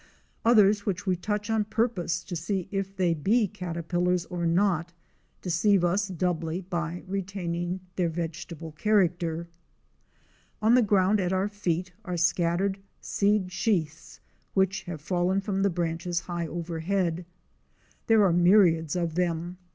Others which we touch on purpose to see if they be caterpillars or not, deceive us doubly by retaining their vegetable character. On the ground at our feet are scattered seed sheaths which have fallen from the branches high overhead. There are myriads of them.